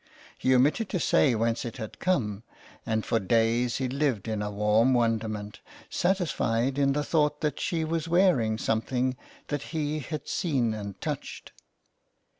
He omitted to say whence it had 264 THE CLERK'S QUEST. come, and for days he lived in a warm wonderment, satisfied in the thought that she was wearing some thing that he had seen and touched.